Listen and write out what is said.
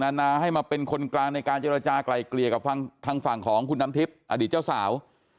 นานาให้มาเป็นคนกลางในการเจรจากลายเกลี่ยกับทางฝั่งของคุณน้ำทิพย์อดีตเจ้าสาว